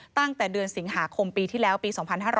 ตั้งแต่เดือนสิงหาคมปีที่แล้วปี๒๕๕๙